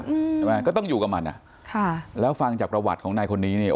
ใช่ไหมก็ต้องอยู่กับมันอ่ะค่ะแล้วฟังจากประวัติของนายคนนี้เนี่ย